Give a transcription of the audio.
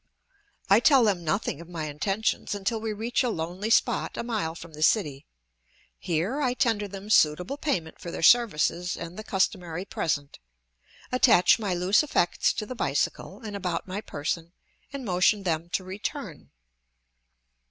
I tell them nothing of my intentions until we reach a lonely spot a mile from the city. Here I tender them suitable payment for their services and the customary present, attach my loose effects to the bicycle and about my person, and motion them to return.